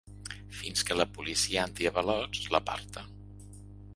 Fins que la policia antiavalots l’aparta.